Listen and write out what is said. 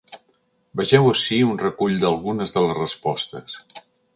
Vegeu ací un recull d’algunes de les respostes.